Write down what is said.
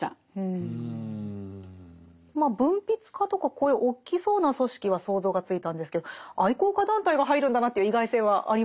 まあ文筆家とかこういう大きそうな組織は想像がついたんですけど愛好家団体が入るんだなという意外性はありますよね。